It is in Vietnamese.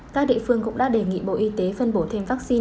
các địa phương cũng đã đề nghị bộ y tế phân bổ thêm vaccine